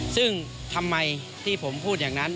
ซึ่งทำไมที่ผมพูดอย่างนั้น